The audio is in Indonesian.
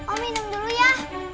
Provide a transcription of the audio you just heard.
om minum dulu ya